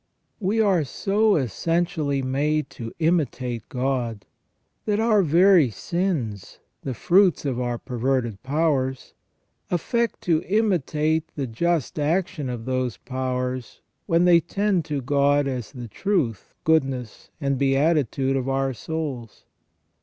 We are so essentially made to imitate God, that our very sins, the fruits of our perverted powers, affect to imitate the just action of those powers when they tend to God as the truth, goodness, and beatitude of our souls.